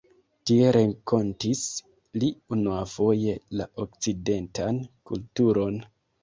Tie renkontis li unuafoje la okcidentan kulturon.